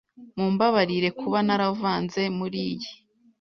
Mumbabarire kuba naravanze muriyi.